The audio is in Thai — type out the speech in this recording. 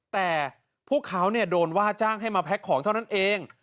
แต่พวกเขาโดนว่าจ้างให้มาแพ็คของเท่านั้นเอง